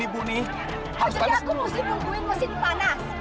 jadi aku mesti tungguin mesin panas